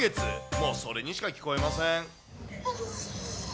もうそれにしか聞こえません。